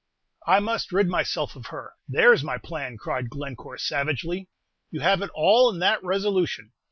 "I must rid myself of her! There's my plan!" cried Glencore, savagely. "You have it all in that resolution.